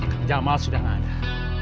kamu jamal sudah gak ada